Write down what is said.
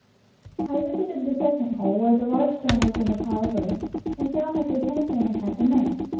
I visited the second hole where the large stone was in the pile of earth, and found that the same thing had happened there.